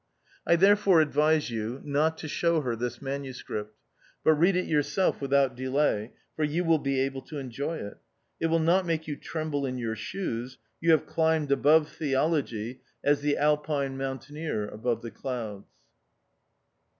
I therefore advise you not to show her this manuscript. But read it yourself without delay, for you will be able to enjoy it. It will not make you tremble in your shoes. You have climbed above THE OUTCAST. ig theology, as the Alpine mountaineer above the clouds.